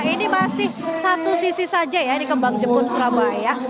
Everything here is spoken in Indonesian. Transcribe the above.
ini masih satu sisi saja ya di kembang jepun surabaya